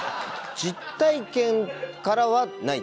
実体験からはない？